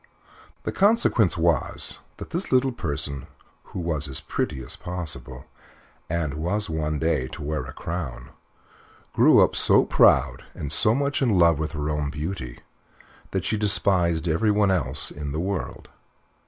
The consequence was that this little person, who was as pretty as possible, and was one day to wear a crown, grew up so proud and so much in love with her own beauty that she despised everyone else in the world.